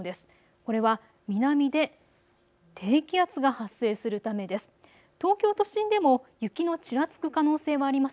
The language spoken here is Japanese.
これは南で低気圧が発生するためです。